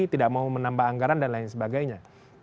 tidak mau menambah anggaran dan lain sebagainya